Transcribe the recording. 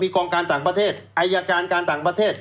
กองการต่างประเทศอายการการต่างประเทศ